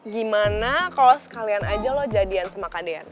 gimana kalo sekalian aja lo jadian sama kak deyan